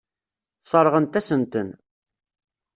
Sseṛɣent-asen-ten.